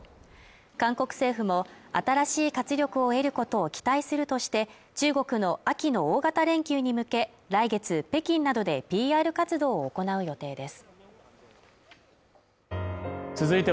韓国政府も新しい活力を得ることを期待するとして中国の秋の大型連休に向け来月北京などでＰＲ活動を行う予定です